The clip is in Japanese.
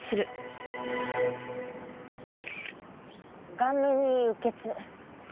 顔面に鬱血。